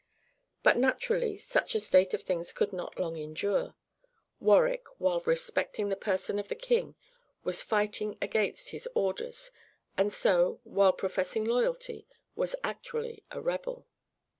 But naturally such a state of things could not long endure. Warwick, while respecting the person of the king, was fighting against his orders, and so, while professing loyalty, was actually a rebel.